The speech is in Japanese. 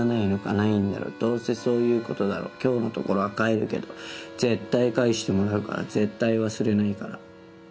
ないんだろどうせそういうことだろ今日のところは帰るけどぜったい返してもらうからぜったい忘れないから！